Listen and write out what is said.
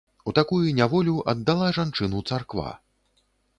У такую няволю аддала жанчыну царква.